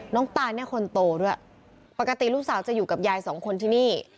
ตานเนี่ยคนโตด้วยปกติลูกสาวจะอยู่กับยายสองคนที่นี่